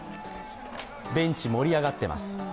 ベンチ盛り上がってます。